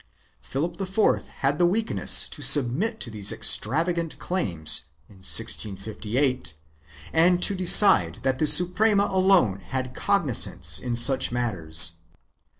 2 Philip IV had the weakness to submit to these extravagant claims, in 1658, and to decide that the Suprema alone had cognizance in such matters.